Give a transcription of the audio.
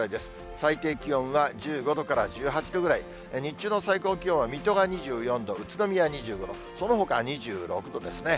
最低気温は１５度から１８度くらい、日中の最高気温は水戸が２４度、宇都宮２５度、そのほか２６度ですね。